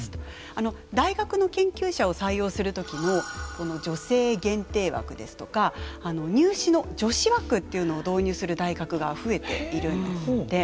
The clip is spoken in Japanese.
あの大学の研究者を採用する時もこの女性限定枠ですとか入試の女子枠っていうのを導入する大学が増えているんですって。